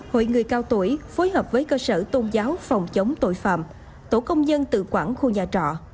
hội người cao tuổi phối hợp với cơ sở tôn giáo phòng chống tội phạm tổ công nhân tự quản khu nhà trọ